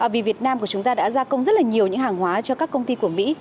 vì việt nam của chúng ta đã gia công rất là nhiều những hàng hóa cho các công ty của mỹ